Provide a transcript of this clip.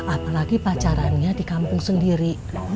apalagi pacarannya di kampung sendiri